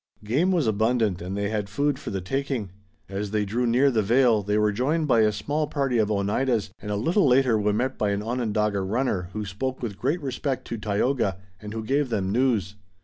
Game was abundant and they had food for the taking. As they drew near the vale they were joined by a small party of Oneidas, and a little later were met by an Onondaga runner who spoke with great respect to Tayoga and who gave them news.